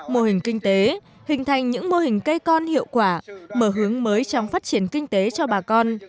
mô hình kinh tế hình thành những mô hình cây con hiệu quả mở hướng mới trong phát triển kinh tế cho bà con